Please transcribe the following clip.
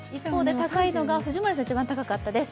高いのが、藤森さん一番高かったです。